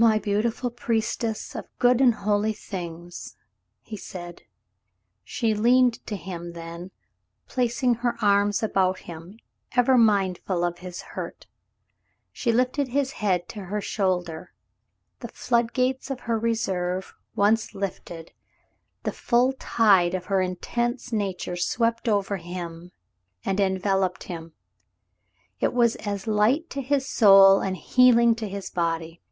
"My beautiful priestess of good and holy things !'* he said. She leaned to him then and, placing her arms about him, ever mindful of his hurt, she lifted his head to her shoulder. The flood gates of her reserve once lifted, the full tide of her intense nature swept over him and enveloped him. It was as light to his soul and healing to his body.